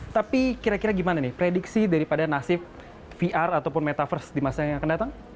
tapi kira kira gimana nih prediksi daripada nasib vr ataupun metaverse di masa yang akan datang